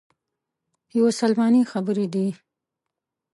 یوه سلماني خبرې دي.